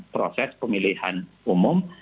proses pemilihan umum